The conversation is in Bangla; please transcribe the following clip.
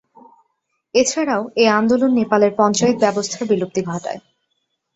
এছাড়াও এই আন্দোলন নেপালের পঞ্চায়েত ব্যবস্থার বিলুপ্তি ঘটায়।